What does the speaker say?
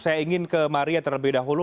saya ingin ke maria terlebih dahulu